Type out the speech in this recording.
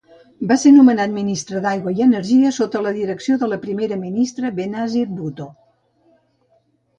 Va ser nomenat Ministre d'Aigua i Energia sota la direcció de la Primera Ministra Benazir Bhutto.